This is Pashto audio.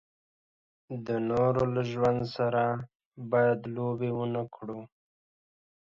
د نورو له ژوند سره باید لوبې و نه کړو.